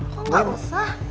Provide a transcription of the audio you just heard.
kok gak usah